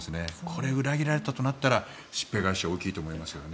これ、裏切られたとなったらしっぺ返しは大きいと思います。